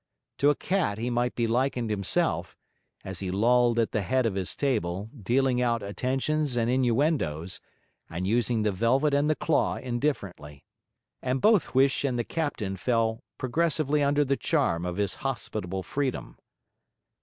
To a cat he might be likened himself, as he lolled at the head of his table, dealing out attentions and innuendoes, and using the velvet and the claw indifferently. And both Huish and the captain fell progressively under the charm of his hospitable freedom.